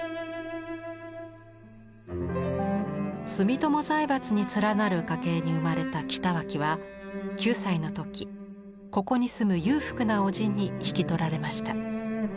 住友財閥に連なる家系に生まれた北脇は９歳の時ここに住む裕福なおじに引き取られました。